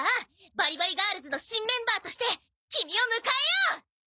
バリバリガールズの新メンバーとしてキミを迎えよう！